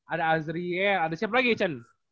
ada azriel ada siapa lagi chen